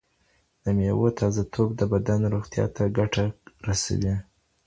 د مېوو تازه توب د بدن روغتیا ته ګټه رسوي.